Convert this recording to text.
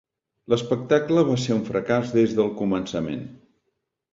L'espectacle va ser un fracàs des del començament.